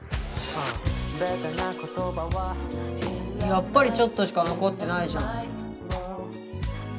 やっぱりちょっとしか残ってないじゃん。